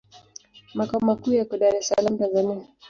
Makao makuu yako Dar es Salaam, Tanzania.